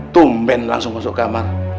tumben langsung masuk kamar